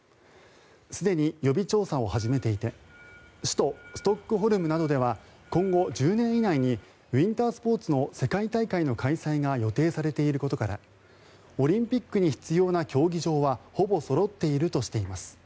すでに予備調査を始めていて首都ストックホルムなどでは今後、１０年以内にウィンタースポーツの世界大会の開催が予定されていることからオリンピックに必要な競技場はほぼそろっているとしています。